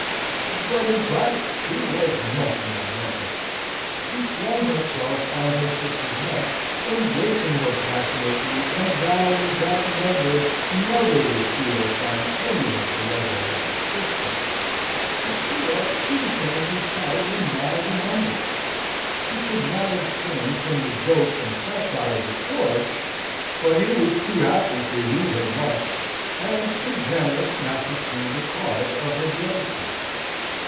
But in private she was much more gentle. She flung herself on her sister's neck, embracing her passionately, and vowing that never, never would Theo find any one to love her like her sister. With Theo she became entirely mild and humble. She could not abstain from her jokes and satire with George, but he was too happy to heed her much, and too generous not to see the cause of her jealousy.